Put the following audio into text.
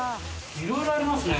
いろいろありますね。